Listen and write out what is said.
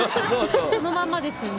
そのまんまですよね。